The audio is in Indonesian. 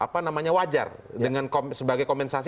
apakah ini wajar sebagai kompensasi